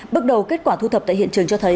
bước đầu kết quả thu thập tại hiện trường cho thấy